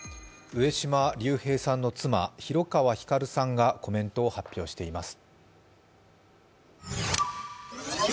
上島竜兵の妻、広川ひかるさんがコメントを発表しています。